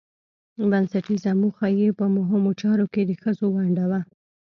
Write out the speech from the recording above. بنسټيزه موخه يې په مهمو چارو کې د ښځو ونډه وه